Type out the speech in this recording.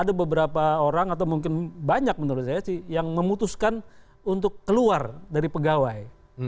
ada beberapa orang atau mungkin banyak menurut saya sih yang memutuskan untuk keluar dari pegawai